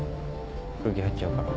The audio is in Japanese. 空気入っちゃうから。